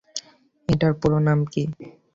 এটার পুরো নাম কী?